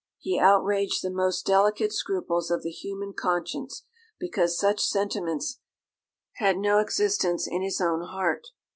He outraged the most delicate scruples of the human conscience, because such sentiments had no existence in his own heart.